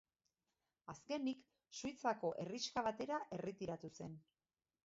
Azkenik, Suitzako herrixka batera erretiratu zen.